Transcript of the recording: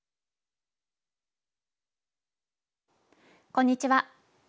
こんにちは。